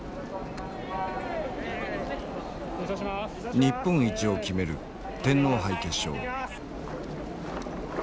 日本一を決める天皇杯決勝。